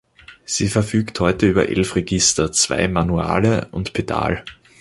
Sie verfügt heute über elf Register, zwei Manuale und Pedal.